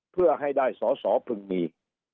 เพื่อให้ได้สอสอพึงมี